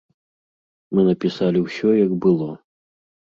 Мы напісалі ўсё, як было.